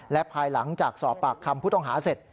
และภายหลังจากสอบปากคำผู้ต้องหาเสร็จ